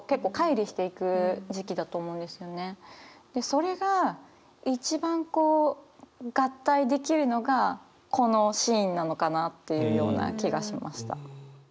それが一番こう合体できるのがこのシーンなのかなっていうような気がしました。